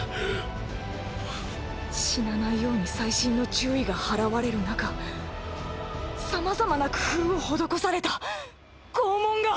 死なないように細心の注意が払われるなかさまざまな工夫を施された拷問が。